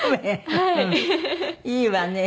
いいわね。